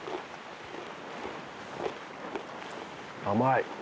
甘い。